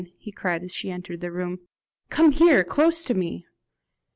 he cried as she entered the room, "come here, close to me."